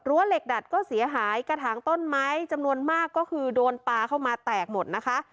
เหล็กดัดก็เสียหายกระถางต้นไม้จำนวนมากก็คือโดนปลาเข้ามาแตกหมดนะคะ